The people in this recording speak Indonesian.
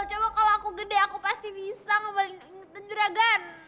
coba kalau aku gede aku pasti bisa kembaliin ingetan juragan